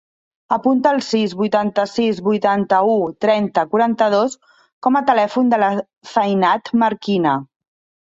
Apunta el sis, vuitanta-sis, vuitanta-u, trenta, quaranta-dos com a telèfon de la Zainab Marquina.